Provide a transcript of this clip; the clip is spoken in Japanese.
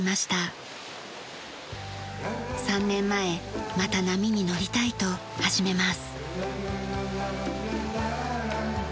３年前また波にのりたいと始めます。